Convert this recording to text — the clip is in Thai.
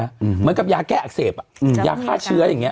เหมือนกับยาแก้อักเสบยาฆ่าเชื้ออย่างนี้